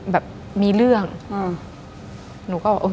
ดิงกระพวน